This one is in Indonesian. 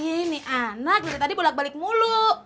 ini anak dari tadi bolak balik mulu